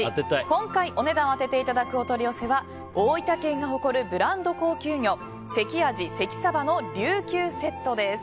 今回、お値段を当てていただくお取り寄せは大分県が誇るブランド高級魚関あじ、関さばのりゅうきゅうセットです。